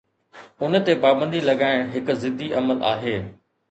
ان تي پابندي لڳائڻ هڪ ضدي عمل آهي.